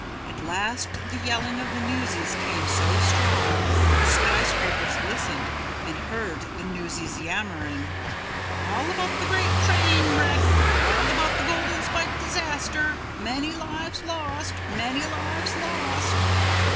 At last the yelling of the newsies came so strong the skyscrapers listened and heard the newsies yammering, "All about the great train wreck! All about the Golden Spike disaster! Many lives lost! Many lives lost!"